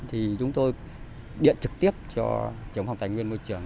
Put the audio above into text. thì chúng tôi điện trực tiếp cho chống phòng tài nguyên môi trường